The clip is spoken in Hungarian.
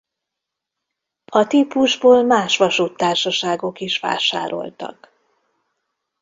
A típusból más vasúttársaságok is vásároltak.